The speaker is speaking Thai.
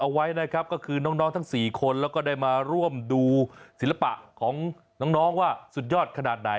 เอาไว้นะครับก็คือน้องทั้ง๔คนแล้วก็ได้มาร่วมดูศิลปะของน้องว่าสุดยอดขนาดไหน